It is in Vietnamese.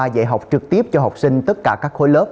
dạy học trực tiếp cho học sinh tất cả các khối lớp